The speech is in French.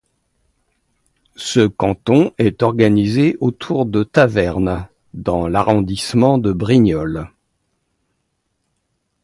Ce canton est organisé autour de Tavernes dans l’arrondissement de Brignoles.